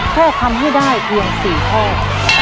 แค่ทำให้ได้เพียง๔ข้อ